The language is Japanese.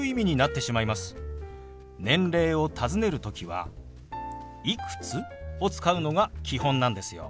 年齢をたずねる時は「いくつ？」を使うのが基本なんですよ。